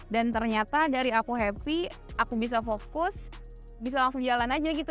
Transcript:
dan ternyata dari aku happy aku bisa fokus bisa langsung jalan aja gitu